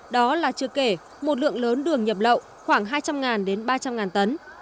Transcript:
đó là chưa kể một lượng lớn đường nhập lậu khoảng hai trăm linh đến ba trăm linh tấn